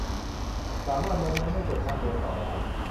สามารถล้มแล้วไม่เจ็บมาก เดินต่อได้